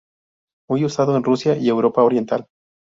Muy usado en Rusia y Europa oriental.